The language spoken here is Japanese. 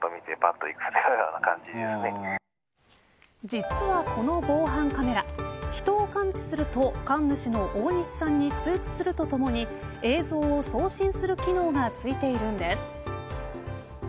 実はこの防犯カメラ人を感知すると神主の大西さんに通知するとともに映像を送信する機能がついているんです。